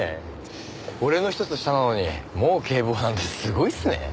俺のひとつ下なのにもう警部補なんてすごいっすね。